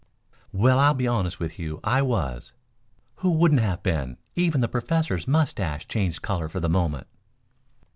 "Well, I'll be honest with you, I was. Who wouldn't have been? Even the Professor's mustache changed color for the moment."